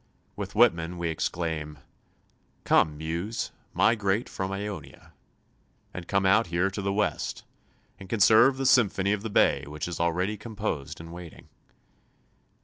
With Whitman we exclaim: "Come, Muse, migrate from Aeonia," and come out here to the West, and conserve the symphony of the bay which is already composed and waiting.